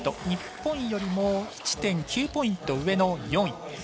日本よりも１．９ポイント上の４位。